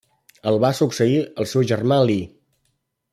El va succeir el seu germà Alí.